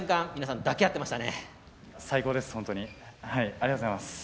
ありがとうございます。